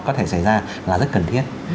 có thể xảy ra là rất cần thiết